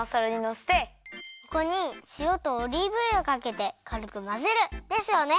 そこにしおとオリーブ油をかけてかるくまぜる！ですよね。